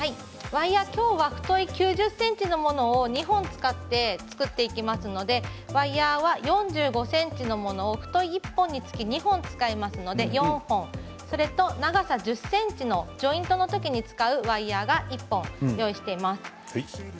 きょうはフトイ９０ｃｍのもの２本使って作っていきますのでワイヤーは４５ｃｍのもの、フトイ１本につき２本使いますので４本それと長さ１０ｃｍのジョイントのときに使うワイヤー１本用意しています。